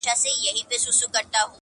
په منډه ولاړه ویل ابتر یې٫